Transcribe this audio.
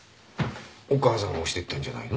お母さんが押していったんじゃないの？